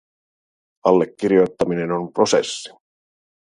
Allekirjoittaminen on prosessi.